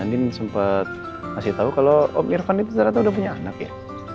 andien sempet ngasih tau kalau om nirwan itu sejujurnya udah punya anak ya